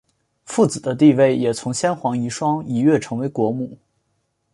富子的地位也从先皇遗孀一跃成为国母。